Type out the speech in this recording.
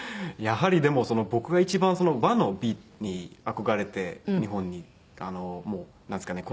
やはりでも僕が一番和の美に憧れて日本になんですかね。